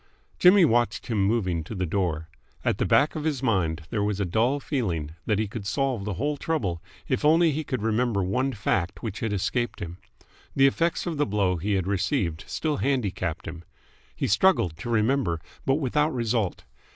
Jimmy watched him moving to the door. At the back of his mind there was a dull feeling that he could solve the whole trouble if only he could remember one fact which had escaped him. The effects of the blow he had received still handicapped him. He struggled to remember, but without result.